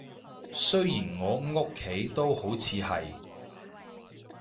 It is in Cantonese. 雖然我屋企都好似係